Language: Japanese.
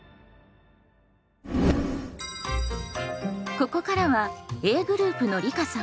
ここからはＡグループのりかさん